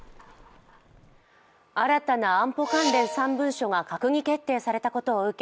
新たな安保関連３文書が閣議決定されたことを受け